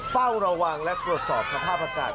เฝ้าระวังและตรวจสอบสภาพอากาศ